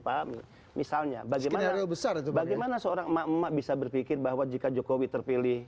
pahami misalnya bagi nara besar bagaimana seorang emak emak bisa berpikir bahwa jika jokowi terpilih